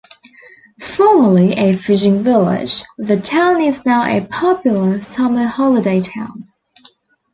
Formerly a fishing village, the town is now a popular summer holiday town.